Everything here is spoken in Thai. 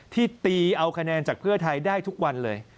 ที่ตีเอาคะแนนจากเพื่อไทยได้ทุกวันเลย